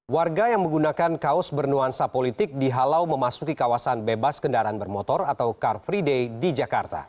warga yang menggunakan kaos bernuansa politik dihalau memasuki kawasan bebas kendaraan bermotor atau car free day di jakarta